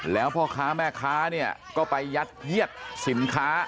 แล้วพ่อค้าแม่ค้าเนี่ยก็ไปยัดเยียดสินค้า